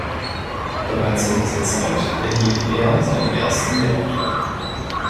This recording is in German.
Bereits in dieser Zeit erhielt er seinen ersten Lehrauftrag.